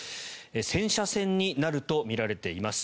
戦車戦になるとみられています。